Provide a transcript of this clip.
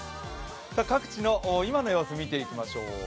各地の今の様子見ていきましょう。